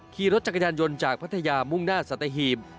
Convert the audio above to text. ขี่รถจักรยานยนต์จากพัทยามุ่งหน้าสัตหีบ